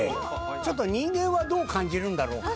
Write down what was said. ちょっと人間はどう感じるんだろうか？